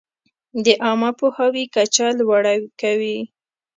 د عامه پوهاوي کچه لوړه کوي.